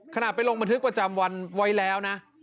ขณะไปลงบันทึกประจำวันไว้แล้วนะ